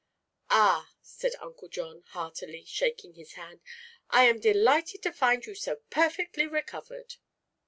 "Ah," said Uncle John, heartily shaking his hand, "I am delighted to find you so perfectly recovered."